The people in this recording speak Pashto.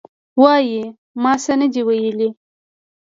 وایي: ما څه نه دي ویلي.